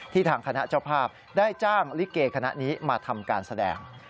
ทางคณะเจ้าภาพได้จ้างลิเกคณะนี้มาทำการแสดง